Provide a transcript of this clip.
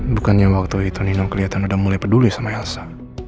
bukannya waktu itu nino kelihatan udah mulai peduli sama elsa